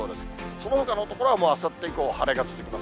そのほかの所はあさって以降、晴れが続きます。